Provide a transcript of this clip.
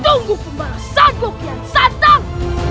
tunggu pembahasan gokian santang